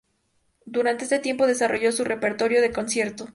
Durante este tiempo desarrollo su repertorio de concierto.